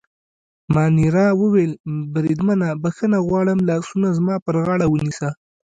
مانیرا وویل: بریدمنه، بخښنه غواړم، لاسونه زما پر غاړه ونیسه.